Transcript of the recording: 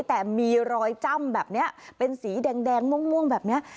แต่มีรอยจ้ำแบบนี้เป็นสีแดงม่วงแบบนี้